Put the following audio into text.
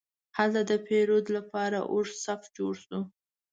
هلته د پیرود لپاره اوږد صف جوړ شو.